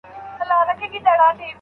پلان جوړول د هدف لور ته تګ دی.